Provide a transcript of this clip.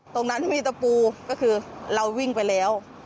ตรงนั้นมีตะปูก็คือเราวิ่งไปแล้ว